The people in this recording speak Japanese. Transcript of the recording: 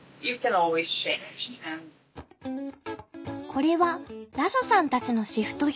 これはラサさんたちのシフト表。